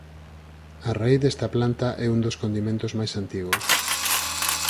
A raíz desta planta é un dos condimentos máis antigos.